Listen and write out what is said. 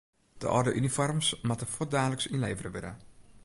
De âlde unifoarms moatte fuortdaliks ynlevere wurde.